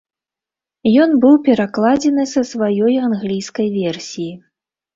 Ён быў перакладзены са сваёй англійскай версіі.